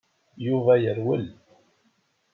Yuba yerwel.